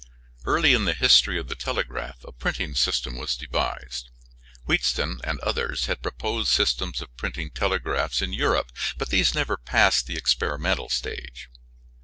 Early in the history of the telegraph a printing system was devised. Wheatstone and others had proposed systems of printing telegraphs in Europe, but these never passed the experimental stage.